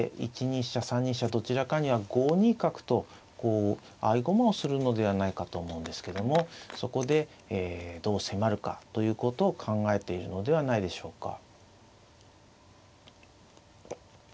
１二飛車３二飛車どちらかには５二角とこう合駒をするのではないかと思うんですけどもそこでえどう迫るかということを考えているのではないでしょうか。